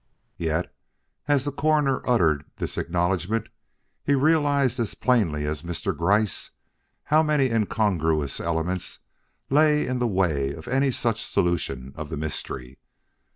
Yet as the Coroner uttered this acknowledgment, he realized as plainly as Mr. Gryce how many incongruous elements lay in the way of any such solution of the mystery.